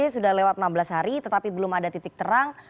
sudah lewat enam belas hari tetapi belum ada titik terang